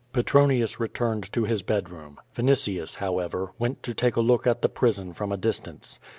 Petronius returned to his bedroom. Vinitius, however, went to take a look at the prison from a distance.